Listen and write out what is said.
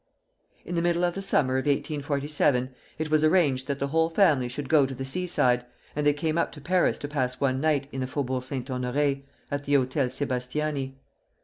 In the middle of the summer of 1847 it was arranged that the whole family should go to the seaside, and they came up to Paris to pass one night in the Faubourg Saint Honoré at the Hôtel Sébastiani.